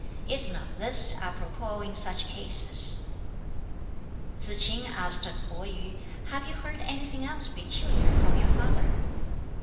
"Is not this apropos in such cases?" Tsz k'in asked of Pih yu, "Have you heard anything else peculiar from your father?"